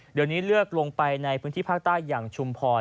เดี๋ยวนี้เลือกลงไปในพื้นที่ภาคใต้อย่างชุมพร